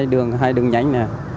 hai đường nhánh